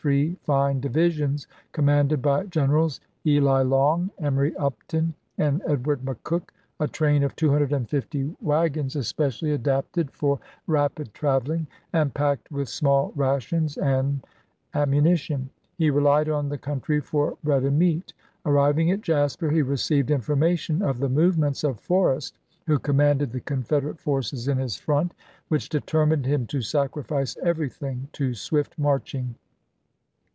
three fine divisions commanded by Generals Eli Long, Emory Upton, and Edward McCook, a train of 250 wagons especially adapted for rapid traveling, and packed with small rations and ammunition; he relied on the country for bread and meat. Arriving at Jasper he received information of the movements of Forrest, who commanded the Confederate forces in his front, which determined him to sacrifice everything to swift marching.